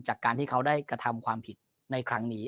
จากการที่เขาได้กระทำความผิดในครั้งนี้